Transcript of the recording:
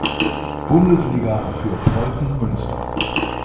Bundesliga für Preußen Münster.